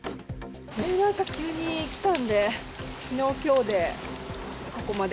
なんか急に来たんで、きのう、きょうでここまで。